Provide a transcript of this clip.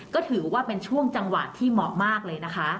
ก็ถือว่าเป็นช่วงจังหวะที่เหมาะมากเลยนะคะ